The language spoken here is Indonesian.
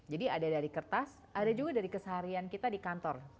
jadi ada dari kertas ada juga dari keseharian kita di kantor